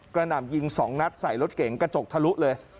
หนำยิง๒นัดใส่รถเก๋งกระจกทะลุเลย